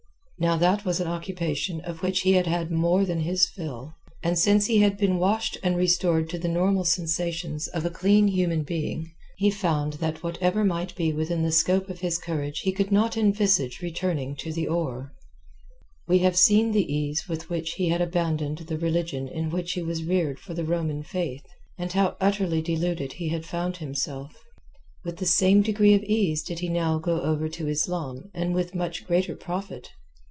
Now that was an occupation of which he had had more than his fill, and since he had been washed and restored to the normal sensations of a clean human being he found that whatever might be within the scope of his courage he could not envisage returning to the oar. We have seen the ease with which he had abandoned the religion in which he was reared for the Roman faith, and how utterly deluded he had found himself. With the same degree of ease did he now go over to Islam and with much greater profit.